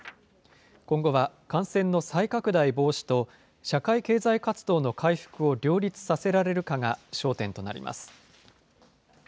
今後は感染の再拡大防止と、社会経済活動の回復を両立させられるかが、焦点となります。